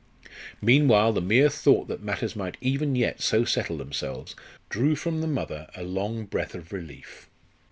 Meanwhile the mere thought that matters might even yet so settle themselves drew from the mother a long breath of relief.